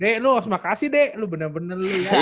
dek lo makasih deh lo bener bener lo ya